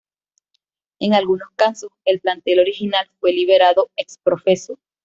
En algunos casos el plantel original fue liberado ex profeso.